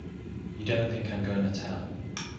You don't think I'm gonna tell!